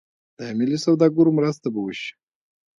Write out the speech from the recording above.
د ملي سوداګرو مرسته به وشي.